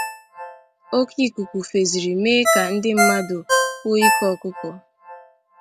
oke ikuku feziri mee ka ndị mmadụ hụ ike ọkụkọ.